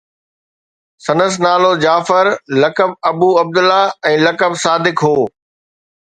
سندس نالو جعفر، لقب ابو عبدالله ۽ لقب صادق هو